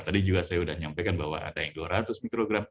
tadi juga saya sudah menyampaikan bahwa ada yang dua ratus mikrogram